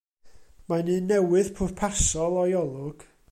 Mae'n un newydd pwrpasol o'i olwg.